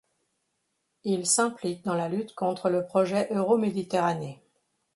Il s'implique dans la lutte contre le projet Euroméditerranée.